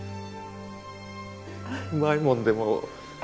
うまいもんでも